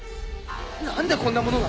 何でこんなものが？